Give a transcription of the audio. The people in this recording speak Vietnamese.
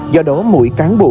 do đó mỗi cán bộ